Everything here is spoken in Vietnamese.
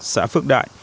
xã phước đại